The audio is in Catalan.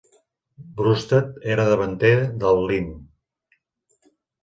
Brustad era davanter del Lyn.